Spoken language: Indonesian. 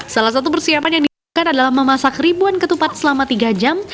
salah satu persiapan yang diperlukan adalah memasak ribuan ketupat selama tiga jam